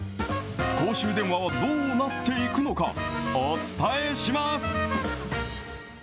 公衆電話はどうなっていくのか、お伝えします。